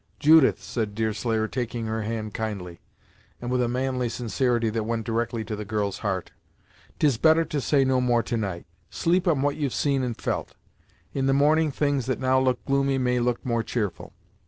"Judith," said Deerslayer, taking her hand kindly, and with a manly sincerity that went directly to the girl's heart, "tis better to say no more to night. Sleep on what you've seen and felt; in the morning things that now look gloomy, may look more che'rful.